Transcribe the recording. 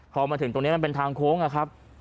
พอมาถึงตรงนี้มันเป็นทางโค้งอะครับ